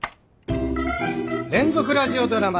連続ラジオドラマ